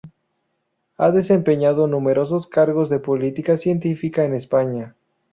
Ha desempeñado numerosos cargos de política científica en España.